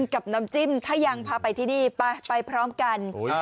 กับน้ำจิ้มถ้ายังพาไปที่นี่ไปพร้อมกัน